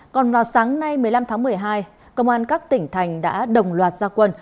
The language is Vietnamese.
còn vào sáng nay một mươi năm tháng một mươi hai công an các tỉnh thành đã đồng loạt gia quân